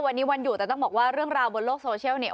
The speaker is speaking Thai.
วันนี้วันอยู่แต่ต้องบอกว่าเรื่องราวบนโลกโซเชียลเนี่ย